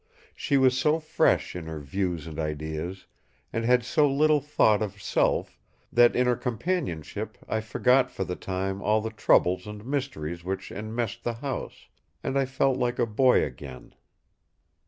She was so fresh in her views and ideas, and had so little thought of self, that in her companionship I forgot for the time all the troubles and mysteries which enmeshed the house; and I felt like a boy again....